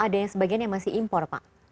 ada yang sebagiannya masih impor pak